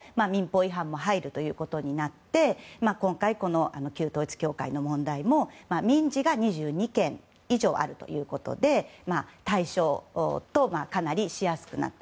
ちょっと解釈が揺れましたけれども民法違反も入るということになって今回、この旧統一教会の問題も民事が２２件以上あるということで対象とかなりしやすくなった。